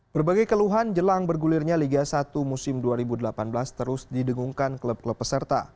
berbagai keluhan jelang bergulirnya liga satu musim dua ribu delapan belas terus didengungkan klub klub peserta